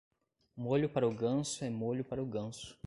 Molho para o ganso é molho para o ganso.